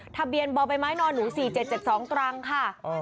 ทะเบียนบ่อใบไม้นอนหนู๔๗๗๒ตรังค่ะ